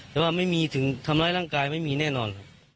แต่ว่าทำร้ายร่างกายไม่มีแน่นอน